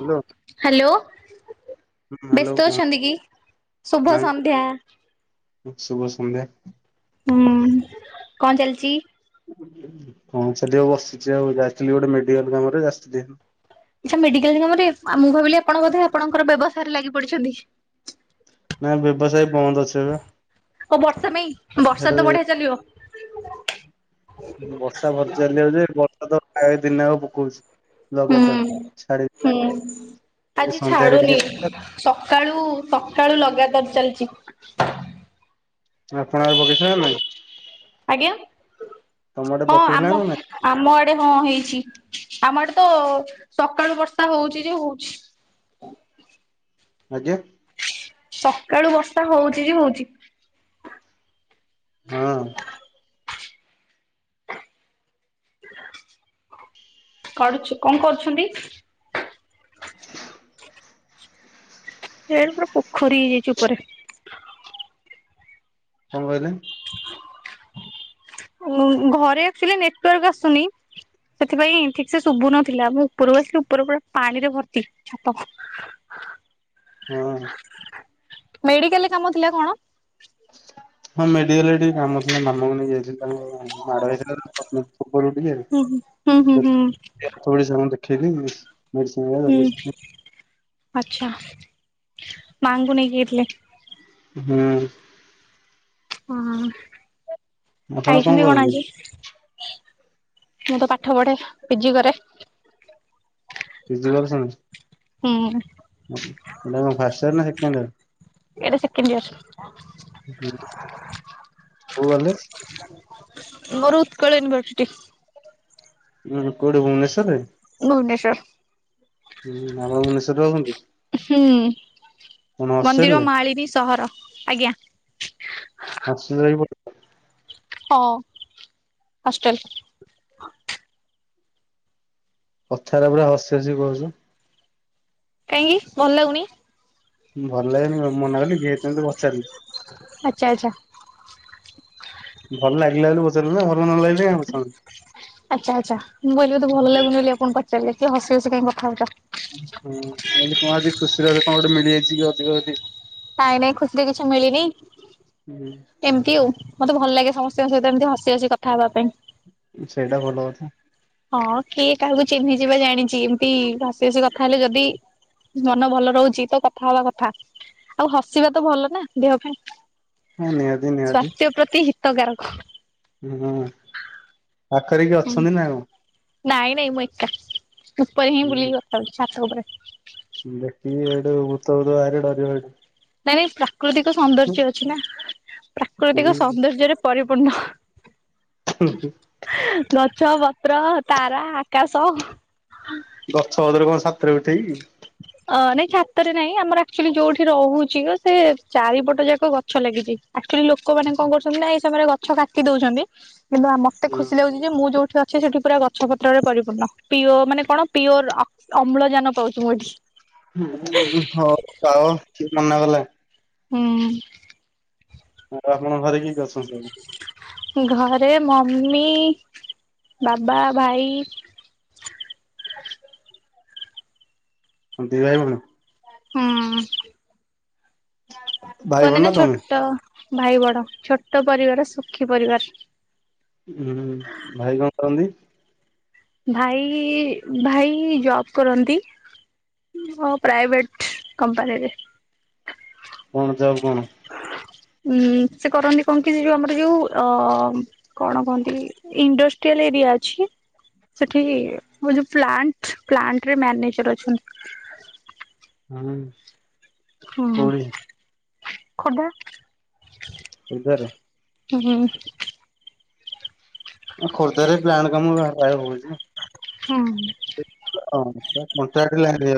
Hello hello! ହୁଁ, hello ବ୍ୟସ୍ତ କଣ ଅଛନ୍ତି କି ଶୁଭ ସନ୍ଧ୍ୟା! ସୁୁଭ ସନ୍ଧ୍ୟେ। ହୁଁ କଣ ଚାଲିଛି? ହଁ ସେଦି ଆଉ ବସିଛି ଆଉ ଯାଇଥିଲି ଗୋଟେ ମେଡିକାଲ କାମରେଥିଲି ଆଛା ମେଡିକାଲ ନିଗମରେ, ମୁଁ ଭାବିଲି ଆପଣ ବୋଧେ ଆପଣଙ୍କର ବ୍ୟବସାୟରେ ଲାଗି ପଡିଛନ୍ତି। ନାଇଁ ବ୍ୟବସାୟ ବନ୍ଦ ଅଛି ଏବେ ଆଉ ବର୍ଷା ପାଇଁ ସେଟା ବର୍ଷା ତ ବଢିଆ ଚାଲିବ। [inaudible] ବର୍ଷା ଭରି ଚାଲି ହଉଛି ବର୍ଷା ତ ଦିନ ଆ ପକଉଛି ହୁଁ ଲଗେଇଥା ଛାଡି ହୁଁ ଏ ଆଜି ସନ୍ଧ୍ୟାରେ ଟିକେ ଛାଡୁନି ଛାଡିଲା ସକାଳୁ ସକାଳୁ ଲଗା ଆପଣ ବଗିଚା ନାଇଁ ଆଜ୍ଞା ତମ ଆଡେ ହଁ ପକେଇଥିଲା ଆମ ନା ନାଇଁ? ଆମ ଆଡେ ହଁ ହେଇଛି। ଆମଠ ତ ସକାଳୁ ବର୍ଷା ହଉଚ ଯେ ହଉଛି ଆଜ୍ଞା। ସକାଳୁ ବର୍ଷା ହଉଚ ଯେ ହଉଚ ହଁ। କରୁଛୁ କଣ କରୁଛନ୍ତି? [inaudible] ସେଇ ପୁରା ପୋଖରୀ ହେଇଯାଇଛି ଉପରେ କଣ କହିଲେ? ଘରେ ଆଚୁଲି ନେଟୱାର୍କ ଆସୁନି। ସେଥିପାଇଁ ଠିକ ସେ ଶୁଭୁ ନଥିଲା ମୁଁ ଉପରକୁ ଆସିଲି ଉପର ପୁରା ପାଣି ରେ ଭର୍ତ୍ତି ଛାପ [inaudible] ହଁ ମେଡିକାଲରେ କାମ ଥିଲା କଣ? ହଁ ମେଡିକାଲରେ ଟିକି କାମ ଥିଲା ମାମା ମାଡ଼ବ ଉଠ [unintelligible] ହୁଁ ହୁଁ ହୁଁ ହୁଁ। [unintelligible] ଆଛା ମାଙ୍କୁୁ ନେଇକିଥିଲେ? ହଁ। ହଁ ଆପଣ ଖାଇଛନ୍ତି କଣ କରନ୍ତି? ଆଜି? ମୁଁ ତ ପାଠ ପଢେ ପିଜି କରେ। [unintelligible] ହୁଁ। ଏଇଟା କଣ ଫାଷ୍ଟ ଇୟର ନା ସେକେଣ୍ଡ ଇୟର? ଏଇଟା ସେକେଣ୍ଡ ଇୟର। କୋଉ କଲେଜ? ମୋର ଉତ୍କଳ ୟୁନିଭର୍ସିଟି। ଉଁ ହୁଁ କୋଉଠି ଭୁବନେଶ୍ଵରରେ? ଭୁବନେଶ୍ଵର। ହୁଁ ଆପଣ ଭୁବନେଶ୍ଵର ରହୁଛନ୍ତି? ହୁଁ କଣ ମନ୍ଦିର ହଷ୍ଟେଲରେ? ମାଳିନୀ ସହର ଆଜ୍ଞା। [unintelligible] ହଁ ହଷ୍ଟେଲ। କଥାରେ ପୁରା ହସି ହସି କହୁଚ। କାହିଁକି ଭଲ ଲାଗୁନି? ଭଲ ଲାଗେନି କଣ ମୁଁ ମନା କଲି କି ହେଇଥି ପାଇଁ ତ ଆଚ୍ଛା ଆଚ୍ଛା। ଭଲ ଲାଗିଲା ବୋଲି ବ ଆଚ୍ଛା ଆଚ୍ଛା ମୁଁ କହିଲି ବୋଧେ ଭଲ ଲାଗୁନି ବୋଲି ଆପଣ ପଚାରିଲେ। କି ହସି ହସି କାଇଁ କଥା ହଉଚ। ହୁଁ କଣ ଆଜି ଖୁସିରେ ଆଜି କଣ ଗୋଟେ ମିଳିଯାଇଛି କି ଅଧିକ ଅଧିକ ନାଇଁ ନାଇଁ ଖୁସିରେ କିଛି ମିଳିନି ଏମିତି ଆଉ। ମତେ ଭଲ ଲାଗେ ସମସ୍ତଙ୍କ ସହିତ ଏମତି ହସି ହସି କଥା ହେବା ପାଇଁ। ସେଇଟା ଭଲ କଥା। ହଁ କିଏ କାହାକୁ ଚିହ୍ନିଚି ବା ଜାଣିଛି ଏମତି ହସି ହସି କଥା ହେଲେ ଯଦି ମନ ଭଲ ରହୁଚି। ତ କଥା ହବା କଥା, ଆଉ ହସିବା ତ ଭଲ ନା ଦେହ ପାଇଁ। ହଁ ନିହାତି ନିହାତି। ସ୍ୱାସ୍ଥ୍ୟ [unintelligible] ହୁଁ ପାଖରେ କିଏ ଅଛନ୍ତି ନା କଣ? ନାଇଁ ନାଇଁ ମୁଁ ଏକା ଉପରେ ହିଁ ହୁଁ ବୁଲିକି କଥା ହେଉଛି ଛାତ ଉପରେ। ଦେଖିକି ହେଇଠୁ ଭୁତଫୁତ ବାହାରିବ ଡରିବ ହେଇଠୁ। ନାଇଁ ନାଇଁ ପ୍ରାକୃତିକ ସୌନ୍ଦର୍ଯ୍ୟ ଅଛି ନା ପ୍ରାକୃତିକ ହୁଁ ସୌନ୍ଦର୍ଯ୍ୟରେ ପରିପୂର୍ଣ୍ଣ। ହୁଁ ହୁଁ। ଗଛ, ପତ୍ର, ତାରା, ଆକାଶ। ଗଛ ପତ୍ର ରେ କଣ। [unintelligible] ଅ ନାଇଁ ଛାତରେ ନାଇଁ ଆମର ଆକ୍ଚୁଆଲି ଯୋଉଠି ରହୁଚି, ସେ ଚାରିପଟ ଯାକ ଗଛ ଲାଗିଛି। ଆକ୍ଚୁଆଲି ଲୋ ଲୋକମାନେ କଣ କରୁଛନ୍ତି ନା ଏଇ ସମୟରେ ଗଛ କାଟି ଦଉଛନ୍ତି। କିନ୍ତୁ ମତେ ଖୁସି ଲାଗୁଛି ଯେ ମୁଁ ଯୋଉଠି ଅ ଛି ସେଠି ପୁରା ଗଛ ପତ୍ରରେ ପରିପୂର୍ଣ୍ଣ ପିଓ ମାନେ କଣ ପିଓର ଅମ୍ଳଜାନ ପାଉଛି ମୁଁ ଏଠି। ହଉ ପାଓ କିଏ ମାନା କଲା। ହୁଁ। ଆପଣଙ୍କ ଘରେ କିଏ କିଏ ଅଛନ୍ତି? ଘରେ ମମି, ବାବା, ଭାଇ। କଣ ଦି ଭାଇଭଉଣୀ? ହୁଁ। ଭାଇ କୁହନ୍ତି ଭଉଣୀ ନା ତମେ? ଛୋଟ ଭାଇ ବଡ ଛୋଟ ପରିବାର ସୁଖୀ ପରିବାର। ହୁଁ ଭାଇ କଣ କରନ୍ତି? ଭାଇ ଭାଇ ଜବ୍ କରନ୍ତି। ପ୍ରାଇଭେଟ କମ୍ପାନୀରେ। କଣ ଜବ୍ କଣ? ଉଁ ସେ କରନ୍ତି କଣ କି ଯୋଉ ଆମର ଯୋଉ ଅ କଣ କହନ୍ତି ଇଣ୍ଡଷ୍ଟ୍ରିଲ ଏରି ଅଛି। ସେଠି ଯୋଉ ପ୍ଲାଣ୍ଟ ପ୍ଲାଣ୍ଟରେ ମ୍ୟାନେଜର ଅଛନ୍ତି। ହଁ। ହଁ ଖୋଦା ସେରେ। ହୁଁ ହୁଁ। ଖୋର୍ଦଆରେ ପ୍ଲାଣ୍ଟ କାମ ଆପେ ଆପେ ହଉଚି। ହୁଁ। [unintelligible] ଥରେ ଅଧେ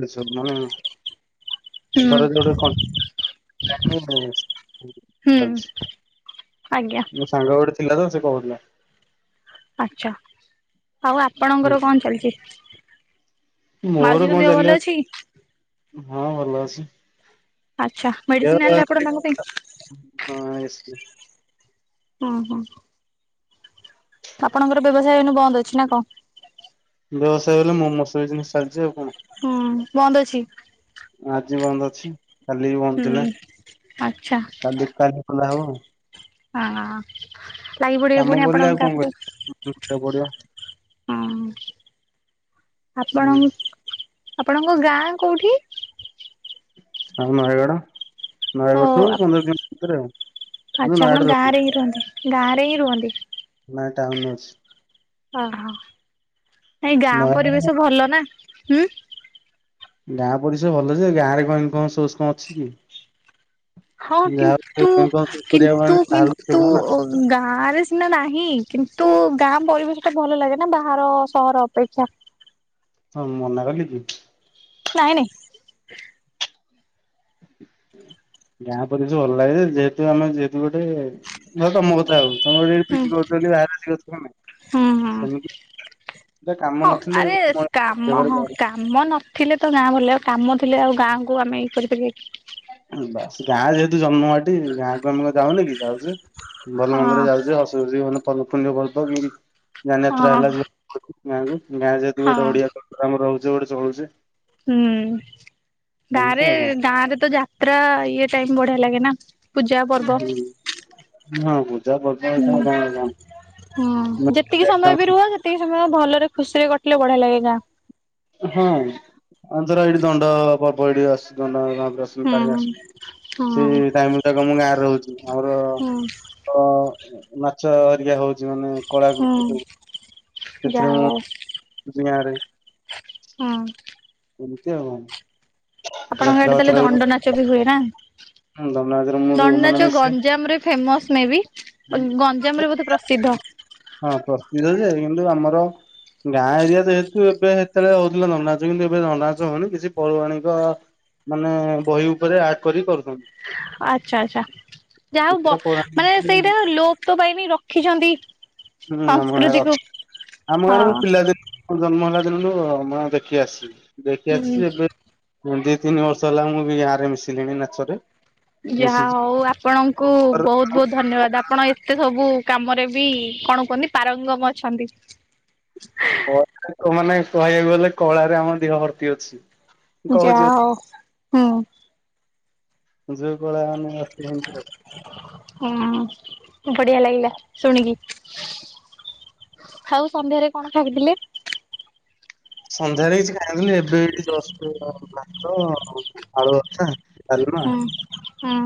ହୁଁ ଗୋଟେ କନ୍ [unintelligible] ହୁଁ ଆଜ୍ଞା ମୋ ସାଙ୍ଗ ଗୋଟେ ଥିଲାତ ସେ କହୁଥିଲା। ଆଛା, ଆଉ ଆପଣଙ୍କର କଣ ଚାଲିଚି? ମୋର କଣ ଚାଲିବ ଅଛି ହଁ, ଭଲ ଅଛି। ଆଚ୍ଛା, ମେଡିସିନ ଆଣିଲେ ଆପଣ ତାଙ୍କ ପାଇଁ? [unintelligible] ହଁ ହଁ। ଆପଣଙ୍କର ବ୍ୟବସାୟ ଏନୁ ବନ୍ଦ ଅଛି ନା କଣ? ବ୍ୟବସାୟ ହେଲେ ମୋମୋସ ବିଜନେସ ଚାଲିଛି ଆଉ। କଣ ହୁଁ, ବନ୍ଦ ଅଛି। ଆଜି ବନ୍ଦ ଅଛି, କାଲି ବି ବନ୍ଦ ଥିଲା, ହୁଁ ଆଚ୍ଛା କାଲି କାଲି ଖୋଲା ହବ ଆଉ। ହଁ, ଲାଗି ପଡ଼ିବେ କାମ ପୁଣି ପଡ଼ିଲେ ଆଉ ଆପଣଙ୍କ କଣ କରିବା ପଡିବ କାମରେ ହଁ, ଆପଣ ହୁଁ ନ୍ ଆପଣଙ୍କ ଗାଁ କୋଉଠି? ଆମର ନୟାଗଡ଼। ଓ ନୟାଗଡ଼ଠୁ ପନ୍ଦର କିଲୋ ମି ଭିତରେ ଆଉ କିନ୍ତୁ ଆଚ୍ଛା ଆପଣ ନୟାଗଡ଼ ରେ ଗାଁ ରହୁ। ହିଁ ରୁହନ୍ତି ଗାଁ ରେ ହିଁ ରୁହନ୍ତି? ଟାଉନ ଅଛି। ଓହୋ, ଏଇ ଗାଁ ନୟାଗଡ଼ ପରିବେଶ ଭଲ ନା। ହୁଁ। ଗାଁ ପରିସର ଭଲଯେ, ଗାଁ ରେ କଣ ଇନକମ୍ସ ସୋର୍ସ କଣ ଅଛି କି? ହଁ, ଯାହା କିନ୍ତୁ କରିବାକୁ କିନ୍ତୁ ମାନେ ବାହାରକୁ କିନ୍ତୁ ଯିବୁ ନା ଗାଁ ରେ ସିନା ନାହିଁ, କିନ୍ତୁ ଗାଁ ପରିବେଶ ଟା ଭଲ ଲାଗେ ନା ବାହାର ସହର ଅପେକ୍ଷା। ହଁ ମନା କଲି କି? ନାଇଁ ନାଇଁ। ଗାଁ ପରିବେଶ ଭଲ ଲାଗେ ଯେ, ଯେହେତୁ ଆମେ ଯେହେତୁ ଭ ତମ କଥା ଆଉ ତମରିତି ହୁଁ ପିଜି କରୁଚ କି ଆର୍ଟ୍ସ କରୁଚ। ସେମିତି ଏଟା କାମ ହଁ ନଥିଲେ ଆରେ ମଣିଷ କାମ ଜାଗାରେ ହଁ ଯାଉନି। କାମ ନଥିଲେ ତ ଗାଁ ବୁଲିବାକୁ କାମ ଥିଲେ ଆଉ, ଗାଁକୁ ଆମେ ଇ କରିପାରିବା କି? ବାସଗାଁ ଯେହେତୁ, ଜନ୍ମମାଟି ଗାଁକୁ ଆମେ କଣ ଯାଉନୁ କି? ଯାଉଚୁ। ଭଲ ହଁ ମନ୍ଦରେ ଯାଉଚୁ, ଆସୁଛି ମାନେ ପ ଫୁ ପୁନ୍ୟ ପର୍ବ ଉଁ ଉଁ ଯାନଯାତ୍ରା ହଁ ହେଲା ଯେ ନାଇଁମ ଗାଁ ଯେହେତୁ, ହଁ ଗୋଟେ ଓଡିଆ ସେଠି ଆମେ ରହୁଚେ ଗୋଟେ ଚଳୁଛେ। ହୁଁ, ଗାଁ ରେ ଆଉ କଣ। ଗାଁ ରେ ତ ଯାତ୍ରା ଇଏ ଟାଇମ ବ ଲାଗେ ନା। ପୂଜା ପର୍ବ। ହୁଁ, ହହୁ। ହୁଁ, ହଁ ଯେତିକି ସମୟ ବି ରୁହ ସେତିକି ସମୟ ଭଲରେ ଖୁସିରେ କଟିଲେ ବଢିଆ ଲାଗେ ଗାଁ। ହଁ, ଅଞ୍ଚରା ଏଇଠି ଦଣ୍ଡ ପର୍ବ ଏଇଠି ଆସଚି ନା ଦ ରସୁଲ ହୁଁ କାଡେ ଆସ ସେ, ହଁ ଡାଇମୁଣ୍ଡା କ ଆମ ଗାଁରେ ରହୁଛି। ହୁଁ ଆମର ନାଚ ହରିକା ହଉଛି ମାନେ କଳାକୃତି ସବୁ ହୁଁ ସେଥିରେ ଯାହା ହଉ ମୁଁ ଦିଆ ରେ ହୁଁ। କେମିତି ହବ? ଆପଣଙ୍କ ଆଡେ ତାହେଲେ, ଦଣ୍ଡ ନାଚ ବି ହୁଏ ନା ଦଣ୍ଡନାଚରେ ମୁଁ ମାନେ ଦଣ୍ଡନାଚ ମିଶେ। ଗଞ୍ଜାମରେ ଫେମସ ମେବି ଓ ଗଞ୍ଜାମ ରେ ବୋଧେ ପ୍ରସିଦ୍ଧ। ହଁ ପ୍ରସ୍ତିତ ଯେ କିନ୍ତୁ, ଆମର ଗାଁ ଏରିଆ ଯେହେତୁ, ଏବେ ସେତେବେଳେ ହଉଥିଲା ଦଣ୍ଡନାଚ। କିନ୍ତୁ, ଏବେ ଦଣ୍ଡନାଚ ହଉନି କିଛି ପୌରରାଣୀକ ମାନେ ବହି ଉପରେ ଆଟ୍ କରି କରୁଛନ୍ତି। ଆଚ୍ଛା ଆଚ୍ଛା। ଯାହା ହଉ କିଛିଟା ପୌରାଣିକ ମାନେ ସେଇଟା ଲୋପ ତ ପାଇନି ରଖିଛନ୍ତି। ହୁଁ। ଆମ ଗାଁ ରେ ସଂସ୍କୃତିକୁ। ଅଛି। ଆମ ହଁ ଗାଁ ରେ ମୁଁ ପିଲାଦିନ ଜନ୍ମ ହେଲା ଦିନରୁୁ ମୁଁ ଦେଖି ଆସିିଛି। ଦେଖି ହୁଁ ଆସିଛି ଏବେ ଦି ତିନି ବର୍ଷ ହେଲା ମୁଁ ବି ଗାଁ ରେ ମିଶିଲିଣି ନାଚରେ ଯାହା ମିଶିଛି। ହଉ ଆପଣଙ୍କୁ ବହୁତ ବହୁତ ଧନ୍ୟବାଦ। ଆପଣ ଏତେ ସବୁ କାମରେ ବି କଣ କୁହନ୍ତି ପାରଙ୍ଗମ ଅଛନ୍ତି। କଳା ମାନେ କହିବାକୁ ଗଲେ କଳାରେ ଆମ ଦେହ ଭର୍ତ୍ତି ଅଛି। ଯା କହୁଛି ହଉ ହୁଁ। ଯୋଉ କଳା ମାନେ ଅଛି। ହୁଁ। ବଢିଆ ଲାଗିଲା ଶୁଣିକି ଆଉ ସନ୍ଧ୍ୟାରେ କଣ ଖାଉଥିଲେ? ସନ୍ଧ୍ୟାରେ କିଛି ତ ଆଳୁଭର୍ତା, ଡାଲମା। ହୁଁ। ହୁଁ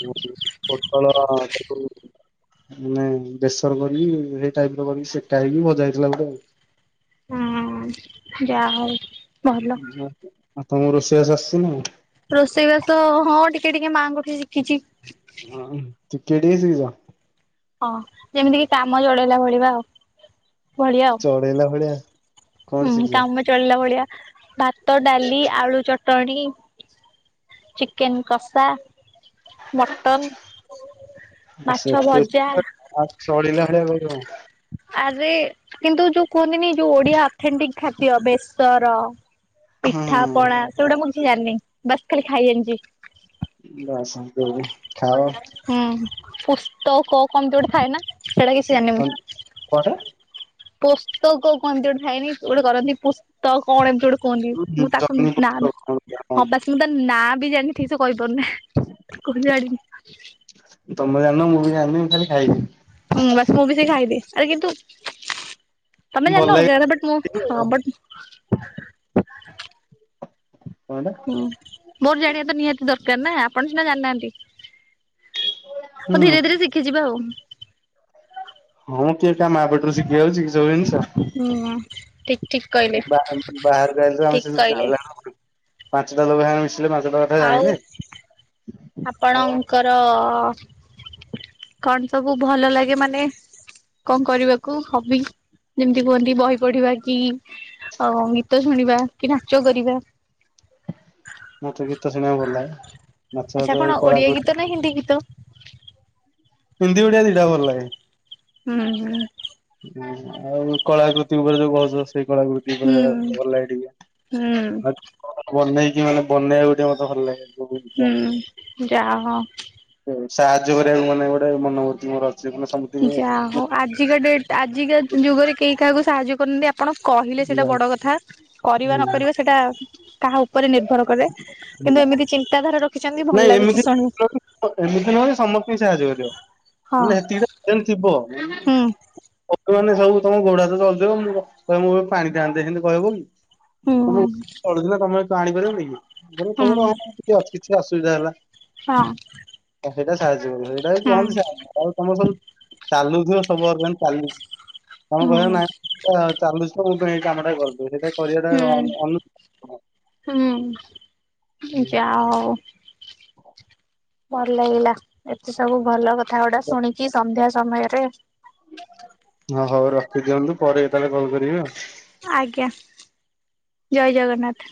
[unintelligible] କଣ ତା ମାନେ ବେସର କରି ସେଇ ଟାଇପ ର କରି ସେକା ହେଇକି ଭଜା ହେଇଥିଲା ଗୋଟେ ଆଉ। ହୁଁ ଯା ହଉ। ଭଲ। ଆ ତମକୁ ରୋଷେଇଆବାସ ଆସିଛି ନା? ମାଁ। [unintelligible] ହଁ। [unintelligible] ହଁ। ଯେମିତି କି କାମ ଜଳେଇଲା ଭଳିଆ ଆଉ। ଭଳିଆ ଆଉ ଚଡେଇଲା ଭଳିଆ ଆଉ। ହୁଁ। କାମ ଚଳିଲା ଭଳିଆ ଭାତ, ଡାଲି, ଆଳୁ ଚଟଣି ଚିକେନ କଷା, ମଟନ୍ [unintelligible] ଚଳେଇଲା ଭଳିଆ କଣ? ଆରେ କିନ୍ତୁ ଯୋଉ କୁହନ୍ତିନି ଯୋଉ ଓଡିଆ ଅଥେଣ୍ଟିକ ଖାଦ୍ୟ ବେଶର ହଁ ପିଠା ପଣା ସେଗୁଡା ମୁଁ କିଛି ଜାଣିିନି। ବାସ ଖାଲି ଖାଇ ଜଣିଛି [inaudible] ହୁଁ ପୁସ୍ତକ କମତି ଗୋଟେ ଥାଏ ନା ସେଇଟା କିଛି ଜାଣିନି ମୁଁ କଣଟା? ପୋସ୍ତକ କୁହନ୍ତି ଗୋଟେ ଥାଇନି ଗୋଟେ କରନ୍ତି? ତଉ କଣ ଏମିତି ଗୋଟେ କୁହନ୍ତିି ମୁଁ ତାକୁ ଜହ୍ନି ନା ପତ୍ର। ହଁ ବାସ ମୁଁ ତ ନାଁ ବି ଜାଣିନି ଠିକ୍ସେ କହିପାରୁନି ତାକୁ ଜାଣିନି ତମ [unintelligible] ଖାଲି ଖାଇ। ହଁ ବାସ ମୁଁ ବି ସେ ଖାଇଦିଏ ଆରେ କିନ୍ତୁ ତମେ ଭଲ ଜାଣିନ ଲାଗେ [unintelligible] ବଟ୍ ଖାଇବି ମୁଁ ଆଉ। ବଟ୍ କଣଟା ହୁଁ। ମୋର ଜାଣିବା ତ ନିହାତି ଦରକାର ନା ଆପଣ ସିନା ଜାଣିନାହାନ୍ତି ହୁଁ ଆଉ ଧୀରେ ଧୀରେ ଶିଖିଯିବା ଆଉ। ହଁ। କେ କା ମା ପେଟରୁ ସିଖିଯାଉଛି କି ସବୁ ଜିନିଷ ହୁଁ ଠିକ ଠିକ କହିଲେ ବା ବାହାରହାର [unintelligible] ଆମ ଠିକ କହିଲେ ଚାଲ ପାଞ୍ଚଟା ଲୋକ ସଙ୍ଗେ ମିଶିଲେ ପାଞ୍ଚଟା କଥା ଆଉ ଜାଣିଲେ ଆଉ ଆପଣଙ୍କର କଣ ସବୁ ଭଲ ଲାଗେ ମାନେ କଣ କରିବାକୁ ହବି? ଯେମିତି କୁହନ୍ତି ବହି ପଢିବା କି ଅ ଗୀତ ଶୁଣିବା କି ନାଚ କରିବା। ମତେ ଗୀତ ଶୁଣିବାକୁ ଭଲ ଲାଗେ। ନାଚ ବାଚ ଆଚ୍ଛା। ଏଇ କଣ ଓଡିଆ କଳାକୃତି ଗୀତ ନା ହିନ୍ଦୀ ଗୀତ? ହିନ୍ଦୀ, ଓଡ଼ିଆ ଦିଟା ଆଙ୍କ ଭଲ ଲାଗେ। ହୁଁ ହୁଁ। ହୁ ଆଉ କଳାକୃତି ଉପରେ ଯୋଉ କହୁଛ। ସେ କଳାକୃତି ଉପରେ ହୁଁ। ଭଲ ଲାଗେ ଟିକେ ହୁଁ ହୁଁ କି ମାନେ ବନେଇବା ଗୋଟେ ମତେ ଭଲ ଲାଗେ। ଯୋଉ ଜିନିଷ। ହୁଁ ଯାହା ହଉ। ସାହାଯ୍ୟ କରିବାକୁ ମାନେ ଗୋଟେ ମନବୂର୍ତ୍ତି ମୋର ଅଛି ମାନେ ଯା ହଉ ଆଜିକା ଡେଟ ଆଜିକା ଯୁଗରେ କେହି କାହାକୁ ସାହାଯ୍ୟ କରୁନାହାନ୍ତି ଆପଣ ଆପଣ କହିଲେ ସେଇଟା ବଡ ସମସ୍ତିଙ୍କି କଥା କରିବା ନକରିବା ସେଇଟା କାହା ଉପରେ ନିର୍ଭର କରେ। କିନ୍ତୁ ଏମିତି ଚିନ୍ତାଧାରା ରଖି ନାଇଁ ଏମିତି ଏମିତି ନୁହେଁ ସମସ୍ତିଙ୍କୁ ସାହାଯ୍ୟ କରିବ ହଁ ସେଟା ଥିବ। ହୁଁ ମାନେ ସବୁ ତମ ଗୋଡ ହାତ ଚଳୁଥିବ ମୁଁ କହିବି ପାଣିଟେ ଆଣିଦେ ସେମିତି କହିବ କି? ହୁଁ ତମେ ଚୁଥିଲା ତମେ ତୁ ଆଣିପାରିବ ହୁଁ [unintelligible] ଅସୁବିଧା ହେଲା ହଁ ସେଇଟା ସାହାଯ୍ୟ କର ସେଇଟା ବି ହୁଁ କୁହନ୍ତି ସାହାଯ୍ୟ ଆଉ ତମର ସବୁ ଚାଲୁଥିବ ସବୁ ଅର୍ଗ ଚାଲିଛି ତମେ ହୁଁ କହିବ ନାଇଁ ଚାଲୁଚି ପାଇଁ ଏଇ କାମଟା କରିଦେ ସେଇଟା କରିବାଟା ଅନୁ ହୁଁ ଯାହା ହଉ ଭଲ ଲାଗିଲା ଏତେ ସବୁ ଭଲ କଥା ଗୋଟା ଶୁଣିକି ସନ୍ଧ୍ୟା ସମୟରେ ହଁ ହଉ ରଖିଦିଅନ୍ତୁ ପରେ ଏ କେତଳେ କଲ କରିବେ ଆଉ। ଆଜ୍ଞା ଜୟ ଜଗନ୍ନାଥ।